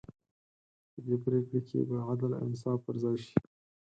په دې پرېکړې کې به عدل او انصاف پر ځای شي.